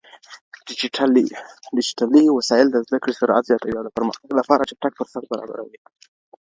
ډيجيټلي وسايل د زده کړې سرعت زياتوي او د پرمختګ لپاره چټک فرصت برابروي.